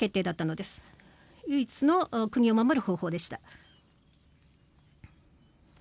唯一の国を守る方法でした。